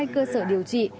một mươi hai cơ sở điều trị